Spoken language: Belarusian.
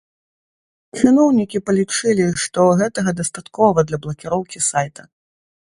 Чыноўнікі палічылі, што гэтага дастаткова для блакіроўкі сайта.